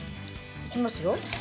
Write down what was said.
いきますよ。